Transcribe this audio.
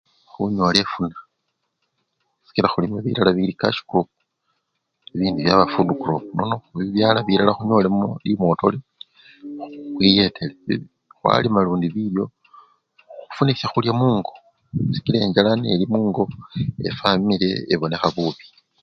Khunyola efuna sikila mulimo bilala bili kasyi kropu, bibidi byaba fudu kropu nono khubyala bilala khunyolemo limotole khwiyetele bi! khwalima lundi bilyo khufune syakhulya mungo sikila enjala nelimungo, efwamili ebonekha bubi.